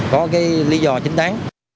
có cái lý do chính đáng